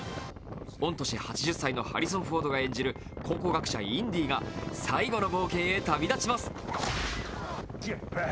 御年８０歳のハリソン・フォードが演じる考古学者・インディが最後の冒険に旅立ちます。